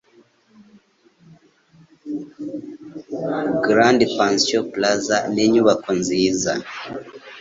Grand Pansion Plaza ni inyubako nziza